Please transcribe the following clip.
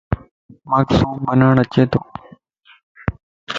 مانک سوپ بناڻَ اچي تو